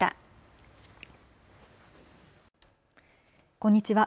こんにちは。